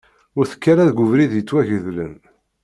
Ur tekk ara deg ubrid yettwagedlen.